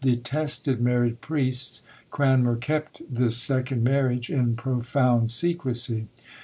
detested married priests, Cranmer kept this second marriage in profound secrecy.